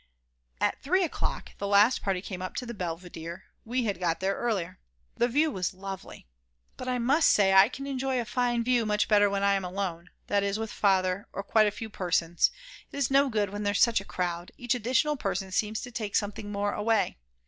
At 3 o'clock the last party came up to the belvedere, we had got there earlier. The view was lovely. But I must say I can enjoy a fine view much better when I am alone, that is with Father or quite a few persons; it is no good when there's such a crowd; each additional person seems to take something more away.